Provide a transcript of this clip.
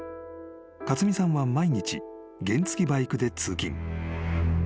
［勝美さんは毎日原付きバイクで通勤］